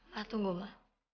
ma tunggu ma